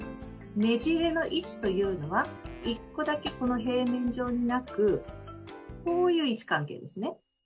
ねじれの位置というのは１個だけこの平面上になくこういう位置関係ですね。